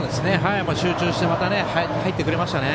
集中してまた入ってくれましたね。